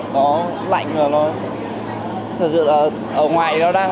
nó lạnh rồi ở ngoài nó đang